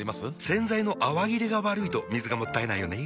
洗剤の泡切れが悪いと水がもったいないよね。